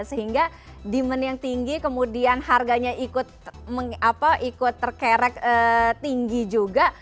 sehingga demand yang tinggi kemudian harganya ikut terkerek tinggi juga